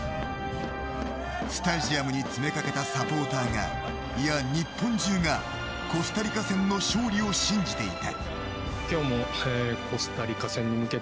スタジアムに詰めかけたサポーターがいや、日本中がコスタリカ戦の勝利を信じていた。